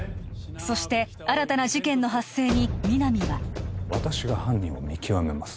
そして新たな事件の発生に皆実は私が犯人を見極めます